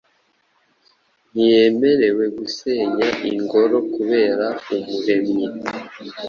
Ntiyemerewe gusenya ingorokubera Umuremyi